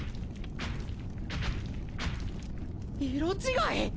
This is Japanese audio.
色違い！？